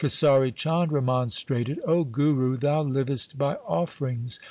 Kesari Chand remonstrated, ' O Guru, thou livest by offerings.